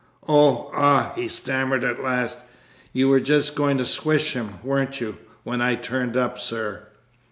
"Oh, ah," he stammered at last, "you were just going to swish him, weren't you, when I turned up, sir?"